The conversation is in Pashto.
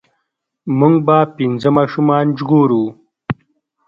مونږ به پنځه ماشومان ژغورو.